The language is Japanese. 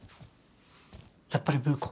やっぱりブー子？